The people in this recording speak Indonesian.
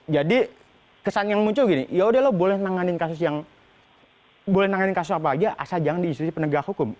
jadi kesan yang muncul gini ya udah lo boleh nanganin kasus apa aja asal jangan di institusi penegak hukum